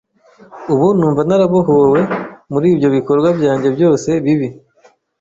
Ubu numva narabohowe muri ibyo bikorwa byanjye byose bibi.